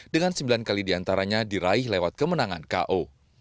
dengan sembilan kali diantaranya diraih lewat kemenangan ko